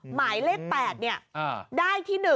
หมายเลข๘ได้ที่๑